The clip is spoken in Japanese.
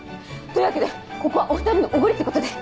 というわけでここはお２人のおごりってことで。